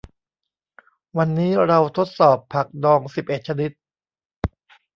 วันนี้เราทดสอบผักดองสิบเอ็ดชนิด